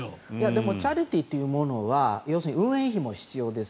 でもチャリティーというものは運営費も必要です。